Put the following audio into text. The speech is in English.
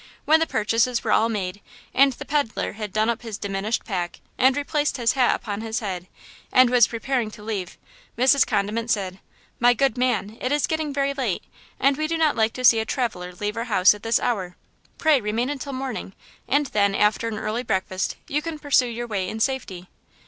When the purchases were all made and the peddler had done up his diminished pack and replaced his hat upon his head and was preparing to leave, Mrs. Condiment said: "My good man, it is getting very late, and we do not like to see a traveler leave our house at this hour–pray remain until morning, and then, after an early breakfast, you can pursue your way in safety."